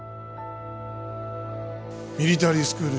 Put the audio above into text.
ミリタリースクール